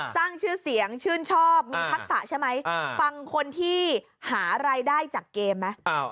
สร้างชื่อเสียงชื่นชอบมีทักษะใช่ไหมฟังคนที่หารายได้จากเกมไหม